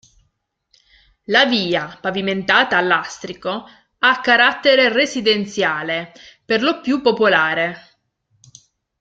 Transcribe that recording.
La via, pavimentata a lastrico, ha carattere residenziale, per lo più popolare.